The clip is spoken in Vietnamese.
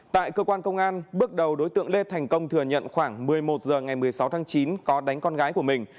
tại cơ quan công an bước đầu đối tượng lê thành công thừa nhận khoảng một mươi một h ngày một mươi sáu tháng chín có đánh con gái của mình